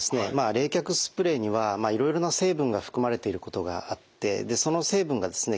冷却スプレーにはいろいろな成分が含まれていることがあってその成分がですね